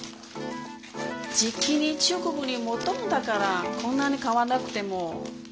じきに中国にもどるんだからこんなに買わなくても。